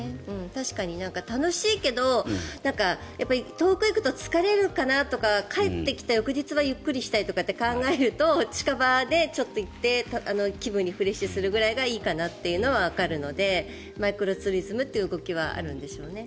確かに楽しいけど遠くへ行くと疲れるかなとか帰ってきた翌日はゆっくりしたいと考えると近場でちょっと行って気分をリフレッシュするぐらいがいいかなというのはわかるのでマイクロツーリズムという動きはあるんでしょうね。